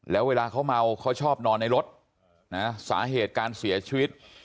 แล้วเวลาเขาเมาเขาชอบนอนในรถนะสาเหตุการเสียชีวิต